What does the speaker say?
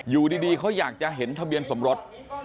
อยู่ดีเขาอยากจะเห็นทะเบียนสมรส